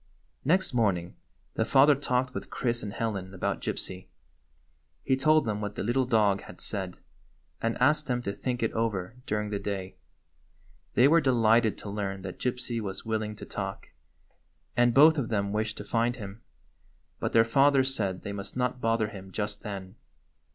Next morning the father talked with Chris and Helen about Gypsy. He told them what the little dog had said, and asked them to think it over during the day. They were delighted to learn that Gypsy was willing to talk, and both of them wished to find him. But their father said they must not bother him just then.